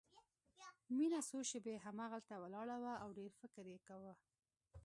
مينه څو شېبې همهغلته ولاړه وه او ډېر فکر يې کاوه.